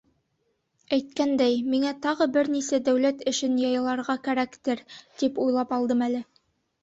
Әйткәндәй, миңә тағы бер нисә дәүләт эшен яйларға кәрәктер, тип уйлап алдым әле.